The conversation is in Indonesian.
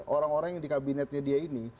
orang orang yang di kabinetnya dia ini